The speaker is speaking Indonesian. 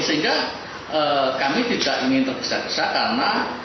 sehingga kami tidak ingin tergesa gesa karena